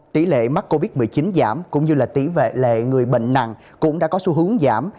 tỷ lệ mắc covid một mươi chín giảm cũng như tỷ lệ người bệnh nặng cũng đã có xu hướng giảm